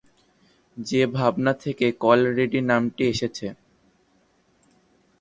সে ভাবনা থেকে কল-রেডী নামটি এসেছে।